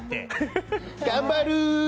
頑張る。